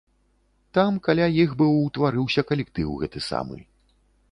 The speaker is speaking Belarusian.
Там каля іх быў утварыўся калектыў гэты самы.